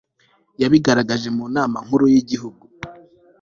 yabigaragaje mu nama nkuru y'igihugu